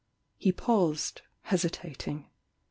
He paused, hesitating.